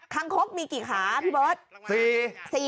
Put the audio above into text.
งคกมีกี่ขาพี่เบิร์ต